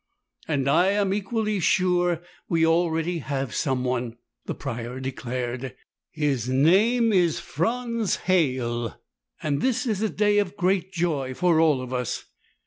"And I am equally sure we already have someone," the Prior declared. "His name is Franz Halle. This is a day of great joy for all of us.